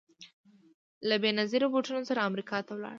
له بېنظیر بوټو سره امریکا ته ولاړ